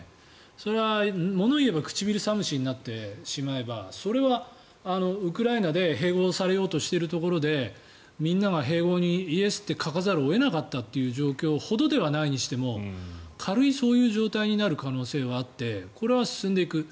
それは物言えば唇寒しになってしまえばそれはウクライナで併合されようとしているところでみんなが併合にイエスって書かざるを得なかった状況ほどではないにしろ軽いそういう状態になる可能性はあってこれは進んでいく。